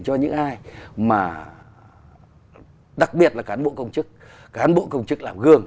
cho những ai mà đặc biệt là cán bộ công chức cán bộ công chức làm gương